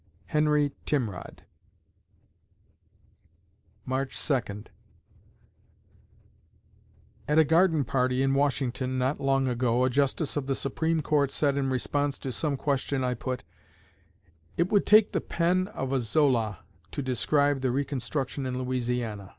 HENRY TIMROD March Second At a garden party in Washington not long ago a Justice of the Supreme Court said in response to some question I put: "It would take the pen of a Zola to describe reconstruction in Louisiana.